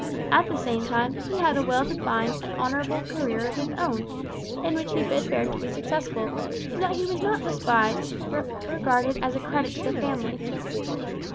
At the same time, he had a well defined and honourable career of his own, in which he bid fair to be successful; so that he was not despised, but regarded as a credit to the family.